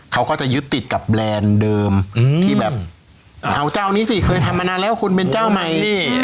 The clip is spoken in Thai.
เขาก็ยึดติดกับแบรนด์เดิมเอาจ้าวนี้ซิเคยทำมานานแล้วคุณเป็นเจ้าใหม่